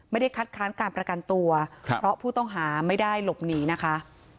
ไม่ได้คัดค้านการประกันตัวครับเพราะผู้ต้องหาไม่ได้หลบหนีนะคะ